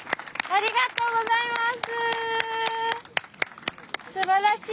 ありがとうございます。